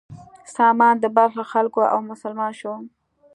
سامان د بلخ له خلکو و او مسلمان شو.